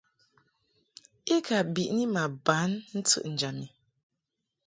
I ka biʼni ma ban ntɨʼnjam i.